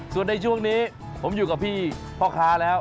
ส่วนในช่วงนี้ผมอยู่กับพี่พ่อค้าแล้ว